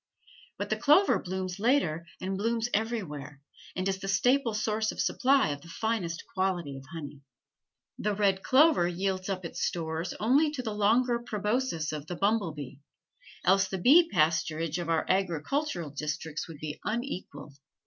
But the clover blooms later and blooms everywhere, and is the staple source of supply of the finest quality of honey. The red clover yields up its stores only to the longer proboscis of the bumble bee, else the bee pasturage of our agricultural districts would be unequaled.